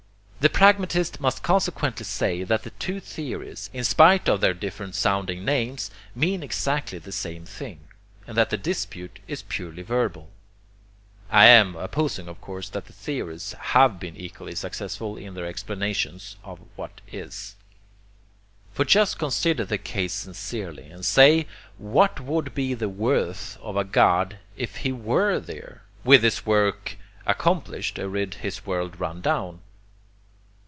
The pragmatist must consequently say that the two theories, in spite of their different sounding names, mean exactly the same thing, and that the dispute is purely verbal. [I am opposing, of course, that the theories HAVE been equally successful in their explanations of what is.] For just consider the case sincerely, and say what would be the WORTH of a God if he WERE there, with his work accomplished and his world run down.